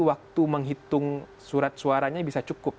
waktu menghitung surat suaranya bisa cukup